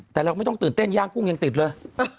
แต่เราไม่ต้องตื่นเต้นย่างกุ้งยังติดเลย